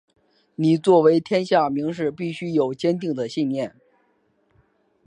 你作为天下名士必须有坚定的信念！